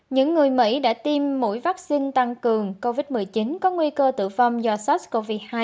những người mỹ đã tiêm mũi vaccine tăng cường covid một mươi chín có nguy cơ tử vong do sars cov hai